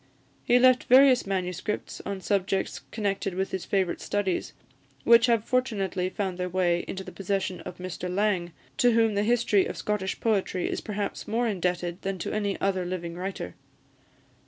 He left various MSS. on subjects connected with his favourite studies, which have fortunately found their way into the possession of Mr Laing, to whom the history of Scottish poetry is perhaps more indebted than to any other living writer.